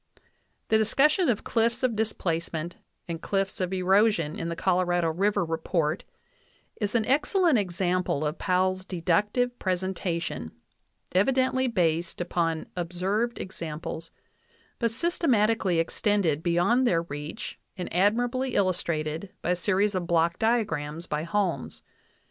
The discussion of cliffs of displacement and cliffs of erosion in the Colorado River report is an excellent example of Pow ell's deductive presentation, evidently based upon observed ex amples, but systematically extended beyond their reach and admirably illustrated by a series of block diagrams by Holmes.